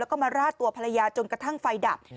แล้วก็มาราดตัวภรรยาจนกระทั่งไฟดับ